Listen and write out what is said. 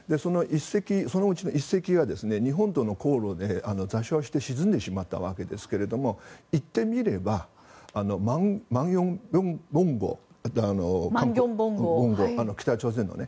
そのうちの１隻が日本との航路で座礁して沈んでしまったわけですが言ってみれば「万景峰号」、北朝鮮のね。